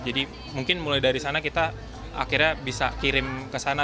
jadi mungkin mulai dari sana kita akhirnya bisa kirim ke sana